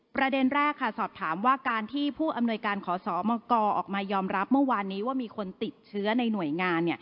ประเด็นแรกค่ะสอบถามว่าการที่ผู้อำนวยการขอสมกออกมายอมรับเมื่อวานนี้ว่ามีคนติดเชื้อในหน่วยงาน